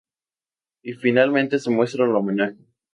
Y finalmente se muestra el homenaje.